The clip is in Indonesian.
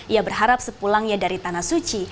ia berharap sepulangnya dari tanah suci